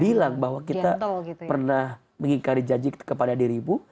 bilang bahwa kita pernah mengingkari janji kepada dirimu